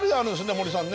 森さんね。